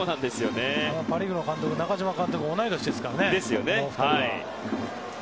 パ・リーグの監督は中嶋監督も同い年ですからね。